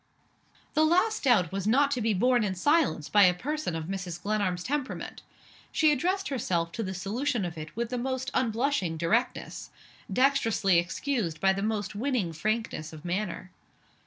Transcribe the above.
The last doubt was not to be borne in silence by a person of Mrs. Glenarm's temperament. She addressed herself to the solution of it with the most unblushing directness dextrously excused by the most winning frankness of manner.